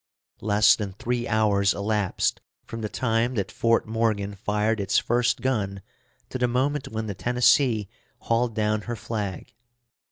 Less than three hours elapsed from the time that Fort Morgan fired its first gun to the moment when the Tennessee hauled down her flag.